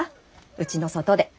うちの外で。